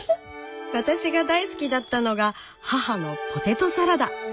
私が大好きだったのが母のポテトサラダ。